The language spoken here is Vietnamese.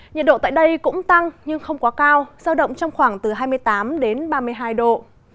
nhiệt độ tại đây cũng tăng nhưng không quá cao sao động trong khoảng từ hai mươi tám đến ba mươi hai độ